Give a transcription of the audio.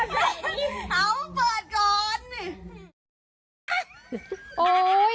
ไม่รู้